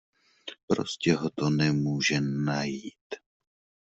Prostě ho to nemůže najít.